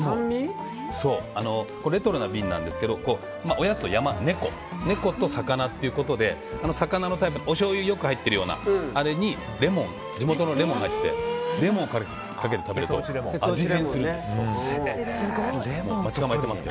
レトロな瓶なんですけどおやつのやまねこ、猫ねこと魚ということで魚のタイプのおしょうゆがよく入っているようなあれに地元のレモンが入っててレモンをかけて食べると味変するんです。